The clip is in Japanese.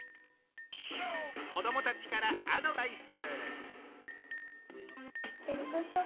子供たちからアドバイス。